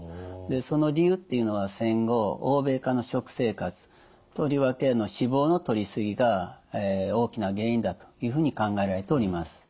その理由っていうのは戦後欧米化の食生活とりわけ脂肪のとり過ぎが大きな原因だというふうに考えられております。